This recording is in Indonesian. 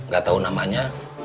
gak tau namanya